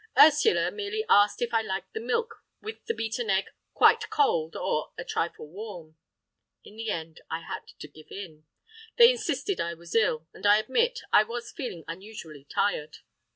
Ursula merely asked if I liked the milk with the beaten egg quite cold or a trifle warm? In the end I had to give in. They insisted I was ill; and I admit I was feeling unusually tired.